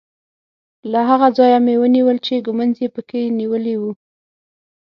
له هغه لاسه مې ونیول چې ږومنځ یې په کې نیولی وو.